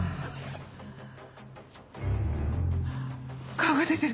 顔が出てる！